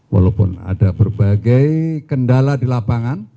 walaupun ada berbagai kendala di lapangan